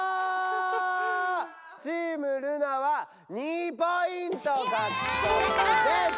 チームルナは２ポイント獲得です！